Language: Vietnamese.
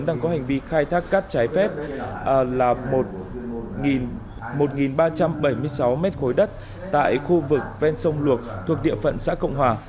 đang có hành vi khai thác cát trái phép là một ba trăm bảy mươi sáu mét khối đất tại khu vực ven sông luộc thuộc địa phận xã cộng hòa